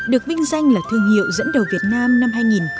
được vinh danh là thương hiệu dẫn đầu việt nam năm hai nghìn một mươi